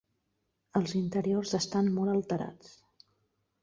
Els interiors estan molt alterats.